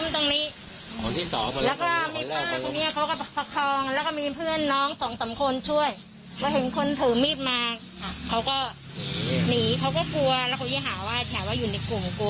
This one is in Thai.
แต่เพื่อนเขาก็ร้องวัยวายกูยอมแล้วอะไรอย่างนี้